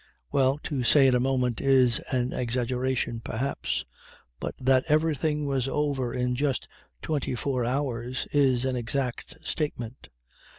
Well, to say 'in a moment' is an exaggeration perhaps; but that everything was over in just twenty four hours is an exact statement.